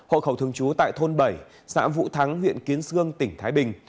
hộ khẩu thường trú tại thôn bảy xã vũ thắng huyện kiến sương tỉnh thái bình